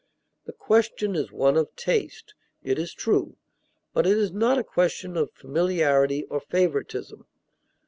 The question is one of taste, it is true; but it is not a question of familiarity or favoritism.